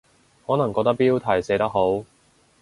可能覺得標題寫得好